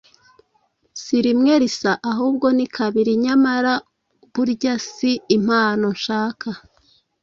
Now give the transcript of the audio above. si rimwe risa, ahubwo ni kabiri. Nyamara burya si impano nshaka,